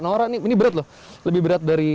norak ini berat loh lebih berat dari